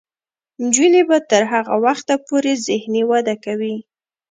نجونې به تر هغه وخته پورې ذهني وده کوي.